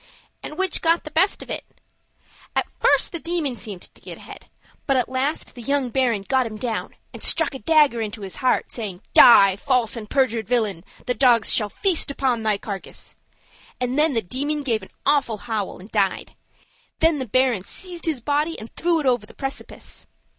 "And which got the best of it?" "At first the Demon seemed to be ahead, but at last the young Baron got him down, and struck a dagger into his heart, sayin', 'Die, false and perjured villain! The dogs shall feast upon thy carcass!' and then the Demon give an awful howl and died. Then the Baron seized his body, and threw it over the precipice."